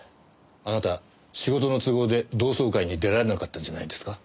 あなた仕事の都合で同窓会に出られなかったんじゃないんですか？